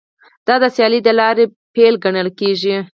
دا د سیالۍ د لارې پیل ګڼل کیږي